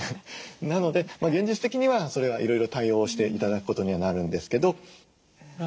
なので現実的にはそれはいろいろ対応して頂くことにはなるんですけど。